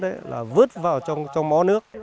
trứng vứt vào trong mó nước